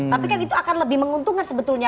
tapi kan itu akan lebih menguntungkan sebetulnya